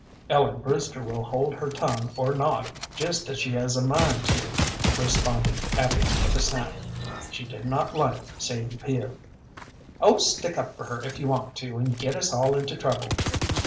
"Ellen Brewster will hold her tongue or not, just as she has a mind to," responded Abby, with a snap. She did not like Sadie Peel. "Oh, stick up for her if you want to, and get us all into trouble."